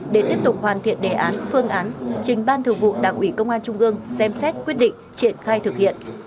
để tiếp tục hoàn thiện đề án phương án trình ban thường vụ đảng ủy công an trung ương xem xét quyết định triển khai thực hiện